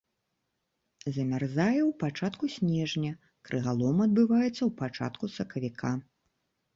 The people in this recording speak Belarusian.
Замярзае ў пачатку снежня, крыгалом адбываецца ў пачатку сакавіка.